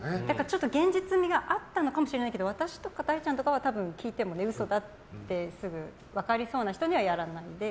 現実味があったのかもしれないけど私とか、だいちゃんは多分、聞いても嘘だってすぐ分かりそうな人にはやらないで。